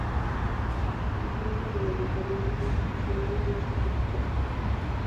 Informe del Ayuntamiento Constitucional de esta Capital.